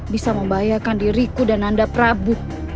bisa membahayakan diriku dan nanda prabu